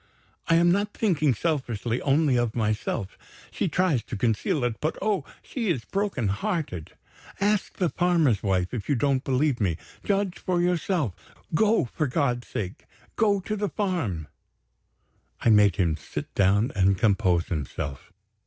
I am not thinking selfishly only of myself. She tries to conceal it but, oh, she is broken hearted! Ask the farmer's wife, if you don't believe me. Judge for yourself, sir. Go for God's sake, go to the farm." I made him sit down and compose himself.